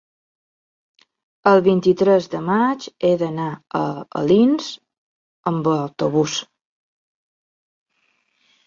el vint-i-tres de maig he d'anar a Alins amb autobús.